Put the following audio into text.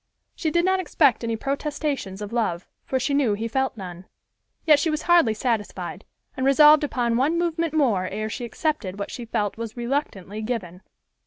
She did not expect any protestations of love, for she knew he felt none. Yet she was hardly satisfied, and resolved upon one movement more ere she accepted what she felt was reluctantly given.